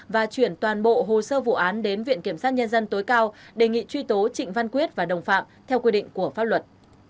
và chuyển toàn bộ hồ sơ vụ án đến viện kiểm sát nhân dân tối cao đề nghị truy tố trịnh văn quyết và đồng phạm theo quy định của pháp luật